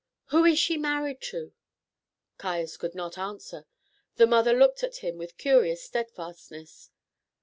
Who is she married to?" Caius could not answer. The mother looked at him with curious steadfastness.